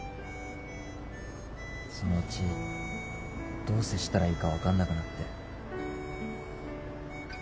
そのうちどう接したらいいか分かんなくなって。